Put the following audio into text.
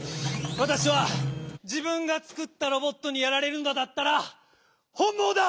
わたしはじぶんがつくったロボットにやられるのだったら本もうだ！